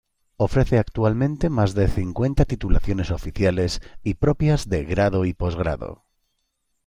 Ofrece actualmente más de cincuenta titulaciones oficiales y propias de grado y posgrado.